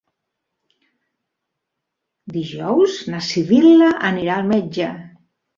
Dijous na Sibil·la anirà al metge.